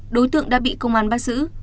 đối tượng đã bị công an bắt giữ